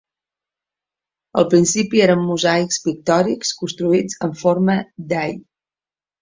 Al principi eren mosaics pictòrics construïts amb forma dY.